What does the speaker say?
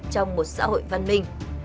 trong một xã hội văn minh